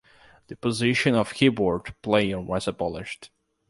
The position of keyboard player was abolished.